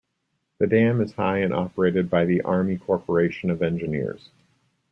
The dam is high and operated by the Army Corporation of Engineers.